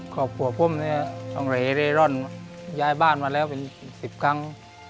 ครอบครัวผมเนี่ยต้องเหรเร่ร่อนย้ายบ้านมาแล้วเป็น๑๐ครั้ง